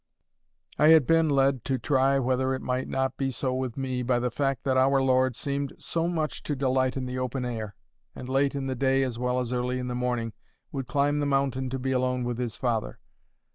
I had been led to try whether it might not be so with me by the fact that our Lord seemed so much to delight in the open air, and late in the day as well as early in the morning would climb the mountain to be alone with His Father.